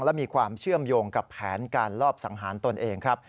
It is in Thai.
และมีความเชื่อมโยงกับแผนการลอบสังหารตนเองครับ